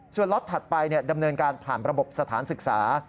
ส่วนล็อตถัดไปดำเนินการผ่านระบบสถานศึกษา